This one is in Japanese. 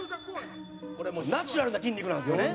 「ナチュラルな筋肉なんですよね」